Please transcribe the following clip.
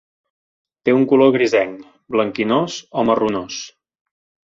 Té un color grisenc, blanquinós o marronós.